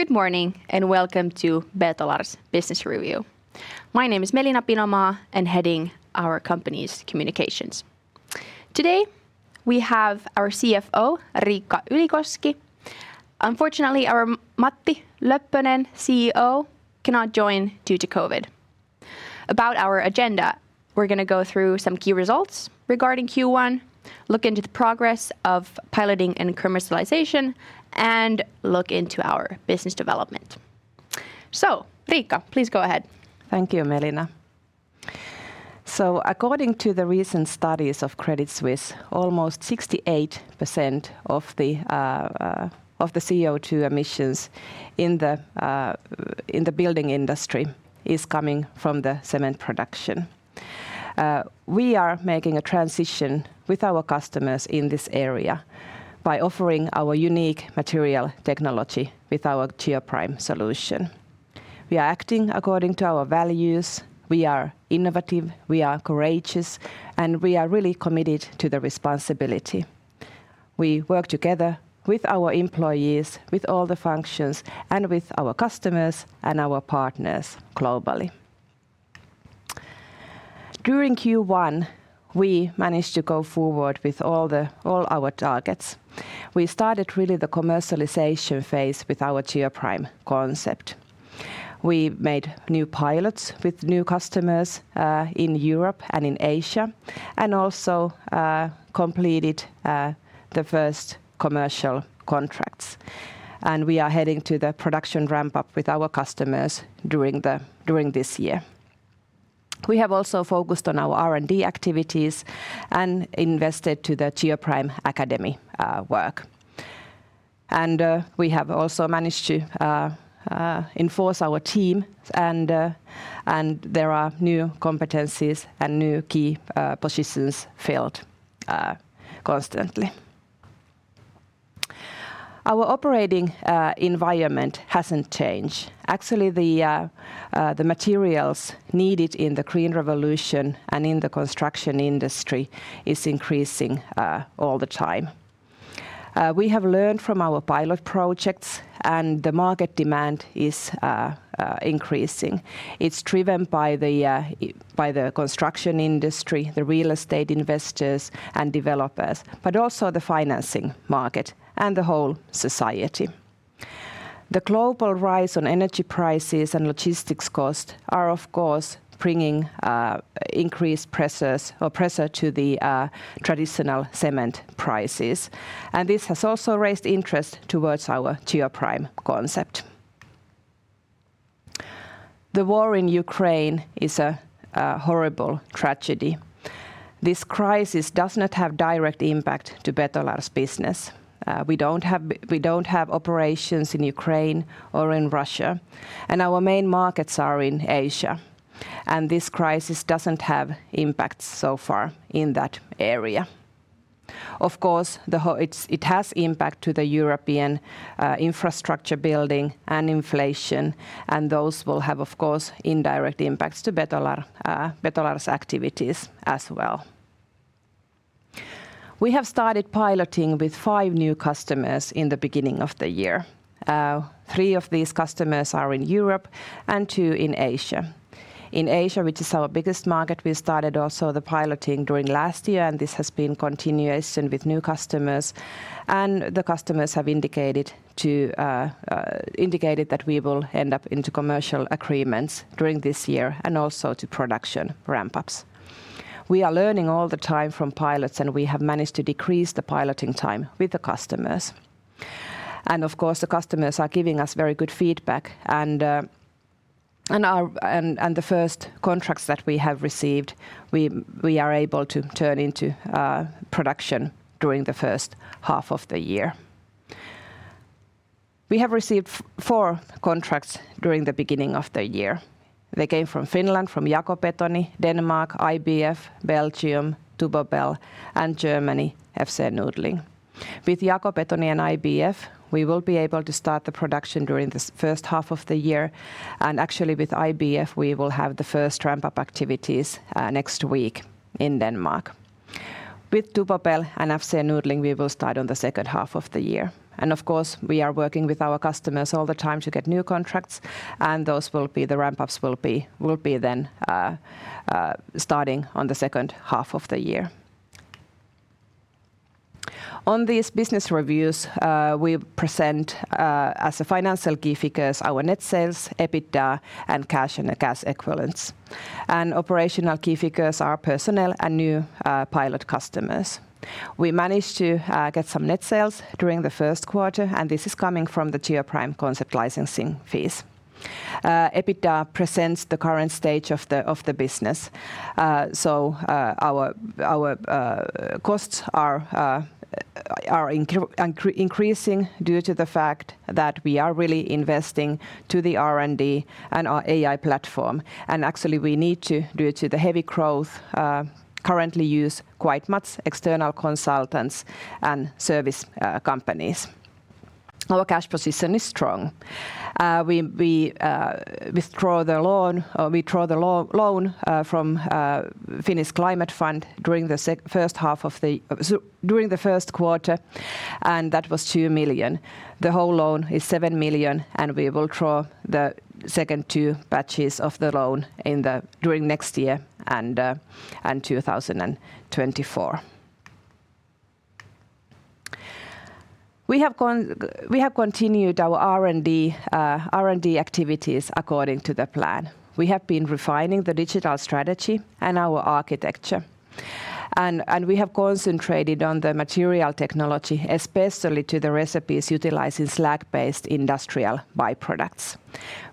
Good morning, and Welcome to Betolar's Business Review. My name is Melina Pinomaa, and heading our company's communications. Today, we have our CFO, Riikka Ylikoski. Unfortunately, our Matti Löppönen, CEO, cannot join due to COVID. About our agenda, we're gonna go through some key results regarding Q1, look into the progress of piloting and commercialization, and look into our business development. Riikka, please go ahead. Thank you, Melina. According to the recent studies of Credit Suisse, almost 68% of the CO2 emissions in the building industry is coming from the cement production. We are making a transition with our customers in this area by offering our unique material technology with our Geoprime solution. We are acting according to our values. We are innovative, we are courageous, and we are really committed to the responsibility. We work together with our employees, with all the functions, and with our customers and our partners globally. During Q1, we managed to go forward with all our targets. We started really the commercialization phase with our Geoprime concept. We made new pilots with new customers in Europe and in Asia, and also completed the first commercial contracts. We are heading to the production ramp-up with our customers during this year. We have also focused on our R&D activities and invested in the Geoprime Academy work. We have also managed to enhance our team and there are new competencies and new key positions filled constantly. Our operating environment hasn't changed. Actually, the materials needed in the clean revolution and in the construction industry is increasing all the time. We have learned from our pilot projects, and the market demand is increasing. It's driven by the construction industry, the real estate investors and developers, but also the financing market and the whole society. The global rise on energy prices and logistics costs are, of course, bringing increased pressures or pressure to the traditional cement prices. This has also raised interest towards our Geoprime concept. The war in Ukraine is a horrible tragedy. This crisis does not have direct impact to Betolar's business. We don't have operations in Ukraine or in Russia, and our main markets are in Asia, and this crisis doesn't have impact so far in that area. Of course, it has impact to the European infrastructure building and inflation, and those will have, of course, indirect impacts to Betolar's activities as well. We have started piloting with five new customers in the beginning of the year. Three of these customers are in Europe and two in Asia. In Asia, which is our biggest market, we started also the piloting during last year, and this has been continuation with new customers. The customers have indicated that we will end up into commercial agreements during this year and also to production ramp-ups. We are learning all the time from pilots, and we have managed to decrease the piloting time with the customers. Of course, the customers are giving us very good feedback. The first contracts that we have received, we are able to turn into production during the first half of the year. We have received four contracts during the beginning of the year. They came from Finland, from JA-KO Betoni, Denmark, IBF, Belgium, Tubobel, and Germany, FC Nüdling. With JA-KO Betoni and IBF, we will be able to start the production during this first half of the year. Actually, with IBF, we will have the first ramp-up activities next week in Denmark. With Tubobel and FC Nüdling, we will start on the second half of the year. Of course, we are working with our customers all the time to get new contracts, the ramp-ups will be then starting on the second half of the year. On these business reviews, we present as financial key figures our net sales, EBITDA, and cash and cash equivalents. Operational key figures are personnel and new pilot customers. We managed to get some net sales during the first quarter, and this is coming from the Geoprime concept licensing fees. EBITDA presents the current stage of the business. Our costs are increasing due to the fact that we are really investing in the R&D and our AI platform. Actually, we need to, due to the heavy growth, currently use quite much external consultants and service companies. Our cash position is strong. We withdrew the loan from Finnish Climate Fund during the first quarter. That was 2 million. The whole loan is 7 million, and we will draw the second two batches of the loan during next year and 2024. We have continued our R&D activities according to the plan. We have been refining the digital strategy and our architecture. We have concentrated on the material technology, especially to the recipes utilizing slag-based industrial by-products.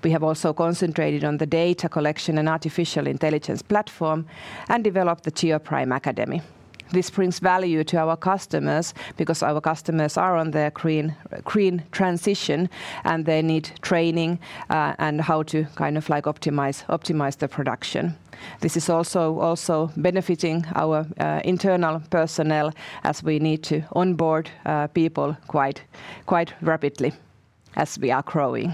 We have also concentrated on the data collection and artificial intelligence platform and developed the Geoprime Academy. This brings value to our customers because our customers are on the green transition, and they need training and how to kind of like optimize the production. This is also benefiting our internal personnel as we need to onboard people quite rapidly as we are growing.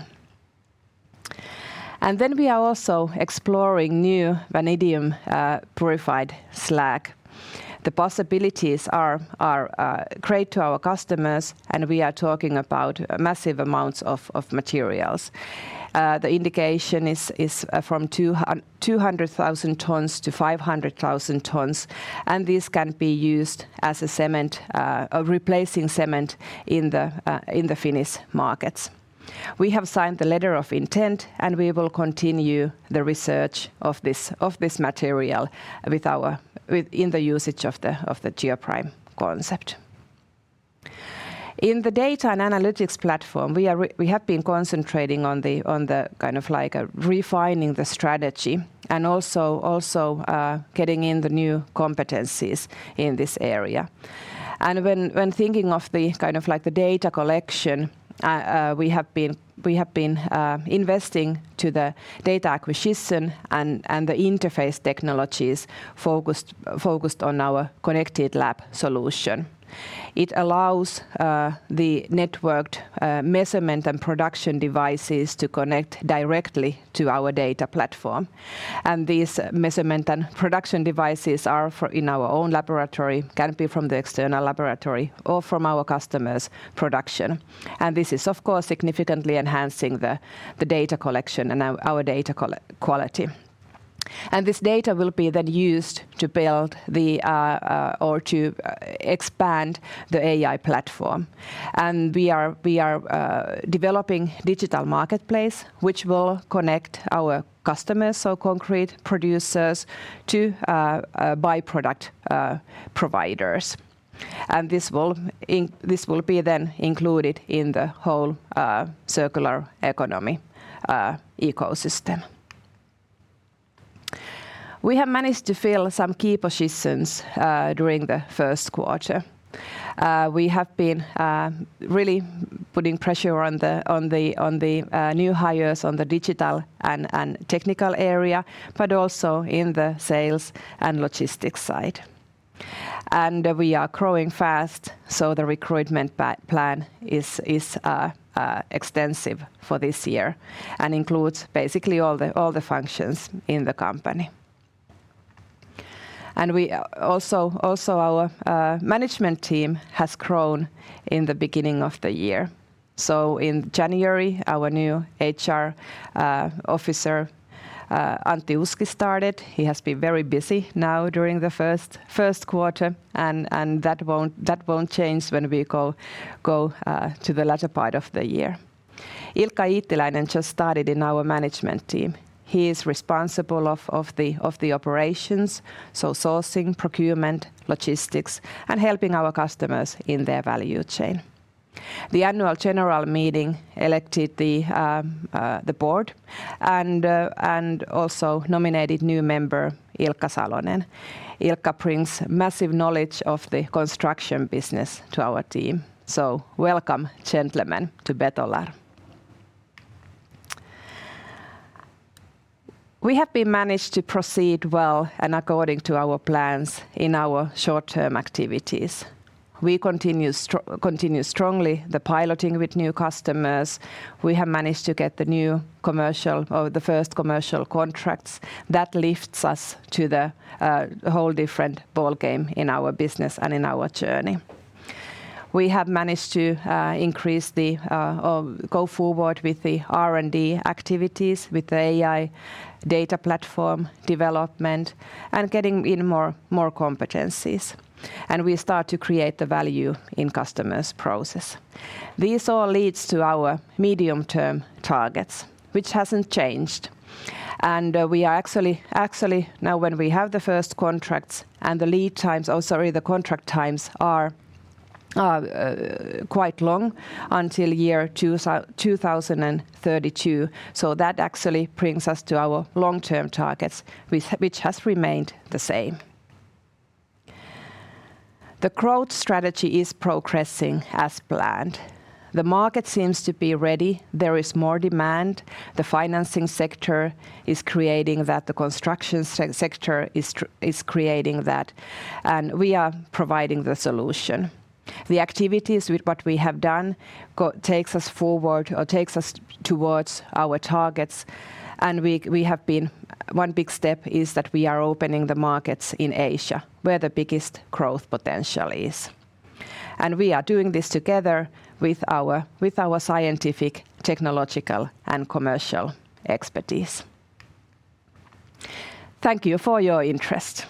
We are also exploring new vanadium purified slag. The possibilities are great to our customers, and we are talking about massive amounts of materials. The indication is from 200,000 tons-500,000 tons, and this can be used as a cement replacing cement in the Finnish markets. We have signed the letter of intent, and we will continue the research of this material in the usage of the Geoprime concept. In the data and analytics platform, we have been concentrating on the kind of like refining the strategy and also getting in the new competencies in this area. When thinking of the kind of like the data collection, we have been investing in the data acquisition and the interface technologies focused on our connected lab solution. It allows the networked measurement and production devices to connect directly to our data platform. These measurement and production devices are in our own laboratory, can be from the external laboratory or from our customers' production. This is, of course, significantly enhancing the data collection and our data quality. This data will be then used to build or to expand the AI platform. We are developing digital marketplace, which will connect our customers or concrete producers to by-product providers. This will be then included in the whole circular economy ecosystem. We have managed to fill some key positions during the first quarter. We have been really putting pressure on the new hires on the digital and technical area, but also in the sales and logistics side. We are growing fast, so the recruitment plan is extensive for this year and includes basically all the functions in the company. We also our management team has grown in the beginning of the year. In January, our new HR officer Antti Uski started. He has been very busy now during the first quarter, and that won't change when we go to the latter part of the year. Ilkka Iittiläinen just started in our management team. He is responsible of the operations, so sourcing, procurement, logistics, and helping our customers in their value chain. The annual general meeting elected the board and also nominated new member Ilkka Salonen. Ilkka brings massive knowledge of the construction business to our team. Welcome, gentlemen, to Betolar. We have managed to proceed well and according to our plans in our short-term activities. We continue strongly the piloting with new customers. We have managed to get the new commercial or the first commercial contracts. That lifts us to the whole different ballgame in our business and in our journey. We have managed to increase the or go forward with the R&D activities, with the AI data platform development, and getting in more competencies. We start to create the value in customers' process. This all leads to our medium-term targets, which hasn't changed. We are actually now when we have the first contracts and the lead times, or sorry, the contract times are quite long until year 2032. That actually brings us to our long-term targets which has remained the same. The growth strategy is progressing as planned. The market seems to be ready. There is more demand. The financing sector is creating that. The construction sector is creating that. We are providing the solution. The activities with what we have done takes us forward or takes us towards our targets. One big step is that we are opening the markets in Asia, where the biggest growth potential is. We are doing this together with our scientific, technological, and commercial expertise. Thank you for your interest.